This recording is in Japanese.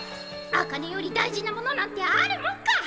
アカネより大事なものなんてあるもんか！